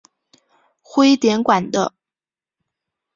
徽典馆的。